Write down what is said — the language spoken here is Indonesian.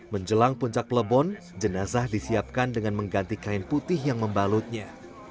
menjelang puncak plebon jenazah disiapkan dengan mengganti kain putih yang membalutnya